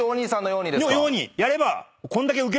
のようにやれば。